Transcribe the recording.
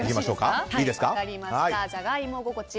じゃがいも心地